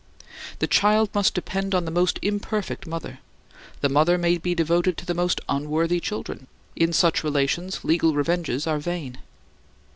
The child must depend on the most imperfect mother; the mother may be devoted to the most unworthy children; in such relations legal revenges are vain.